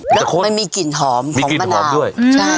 มันกลิ่นหน้ามันกลิ่นหน้ามด้วย